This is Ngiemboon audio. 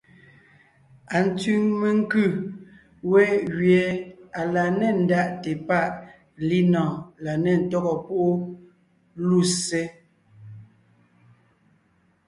Antsẅì menkʉ̀ we gẅie à la nê ndaʼte páʼ linɔ̀ɔn la nê ntɔ́gɔ púʼu lussé.